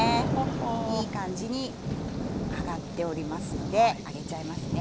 いい感じに揚がっておりますので上げちゃいますね。